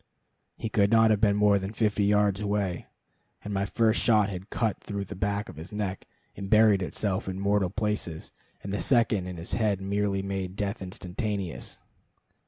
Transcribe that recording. He could not have been more than fifty yards away, and my first shot had cut through the back of his neck and buried itself in mortal places, and the second in his head merely made death instantaneous.